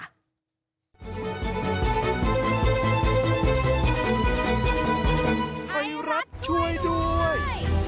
ไทยรัฐช่วยด้วย